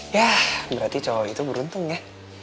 ya berarti cowok itu beruntung ya